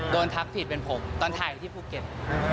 โดนทักผิดเป็นผมตอนถ่ายที่ภูเกิน